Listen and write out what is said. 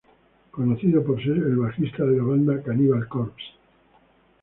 Conocido por ser el bajista de la banda Cannibal Corpse.